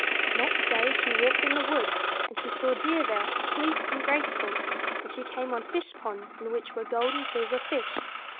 Next day she walked in the woods, and she saw deer there, fleet and graceful; and she came on fish ponds in which were gold and silver fish.